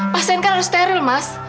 pasien kan harus steril mas